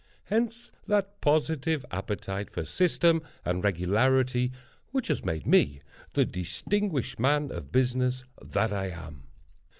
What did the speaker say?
Hence that positive appetite for system and regularity which has made me the distinguished man of business that I am.